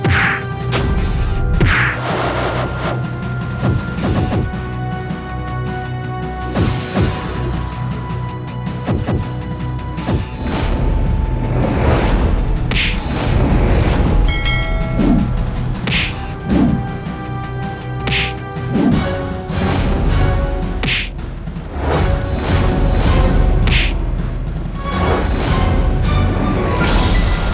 aku akan menemukanmu